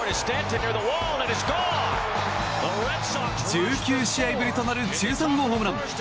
１９試合ぶりとなる１３号ホームラン。